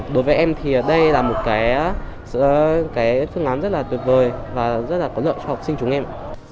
đối với em thì đây là một cái phương án rất là tuyệt vời và rất là có lợi cho học sinh chúng em